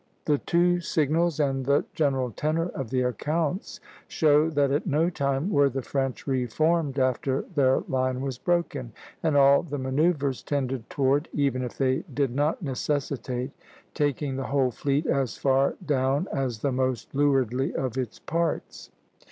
The two signals and the general tenor of the accounts show that at no time were the French re formed after their line was broken; and all the manoeuvres tended toward, even if they did not necessitate, taking the whole fleet as far down as the most leewardly of its parts (D).